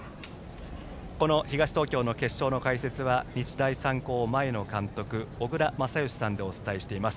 東東京の決勝の解説は日大三高、前の監督小倉全由さんでお伝えしています。